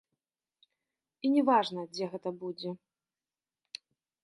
І не важна, дзе гэта будзе.